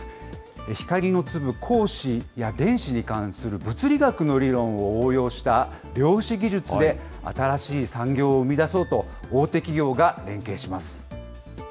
光の粒・光子や電子に関する物理学の理論を応用した量子技術で、新しい産業を生み出そうと大手企業が連携します。